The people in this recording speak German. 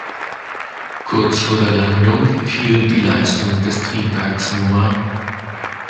Kurz vor der Landung fiel die Leistung des Triebwerks Nr.